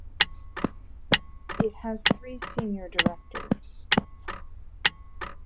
It has three Senior Directors.